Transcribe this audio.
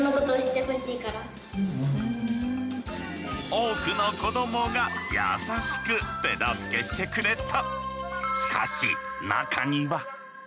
多くの子どもが優しく手助けしてくれた。